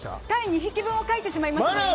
鯛２匹分を書いてしまいました。